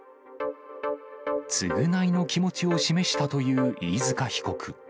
償いの気持ちを示したという飯塚被告。